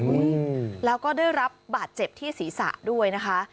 อืมแล้วก็ได้รับบาดเจ็บที่ศีรษะด้วยนะคะ